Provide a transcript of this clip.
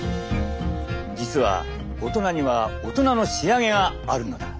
実は大人には大人の仕上げがあるのだ。